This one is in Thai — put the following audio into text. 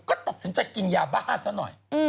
ก็ตัดสินใจกินยาบ้าซะหน่อย